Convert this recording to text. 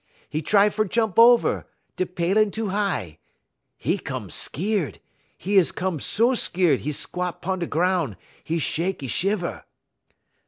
'E try fer jump over; de palin' too high. 'E 'come skeer; 'e is 'come so skeer 'e squot 'pun da groun'; 'e shek, 'e shiver.